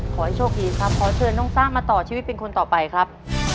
ขอให้โชคดีครับขอเชิญน้องซ่ามาต่อชีวิตเป็นคนต่อไปครับ